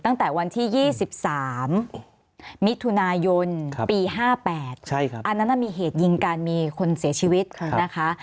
ตั้งแต่วันที่ยี่สิบสามมิธุนายนครับปีห้าแปดใช่ครับอันนั้นน่ะมีเหตุยิงการมีคนเสียชีวิตค่ะนะคะ